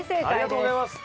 ありがとうございます。